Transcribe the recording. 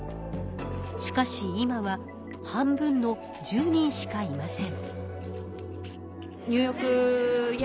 しかし今は半分の１０人しかいません。